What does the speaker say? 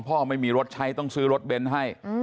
ไม่มีรถใช้ต้องซื้อรถเบนท์ให้